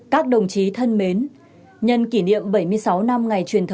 các đồng chí thân mến